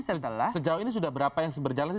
sejauh ini sudah berapa yang berjalan